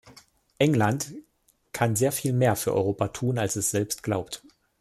England kann sehr viel mehr für Europa tun als es selbst glaubt.